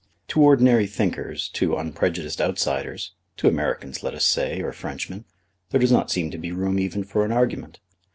To ordinary thinkers, to unprejudiced outsiders, to Americans, let us say, or Frenchmen, there does not seem to be room even for an argument.